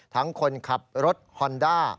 ทั้งคนขับรถฮอนด้า